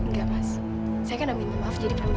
enggak mas saya kan ambil maaf jadi permisi